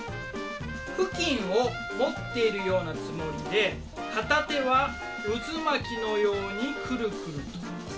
布巾を持っているようなつもりで片手は渦巻きのようにくるくると。